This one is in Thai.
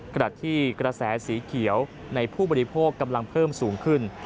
ขณะที่กระแสสีเขียวในผู้บริโภคกำลังเพิ่มสูงขึ้น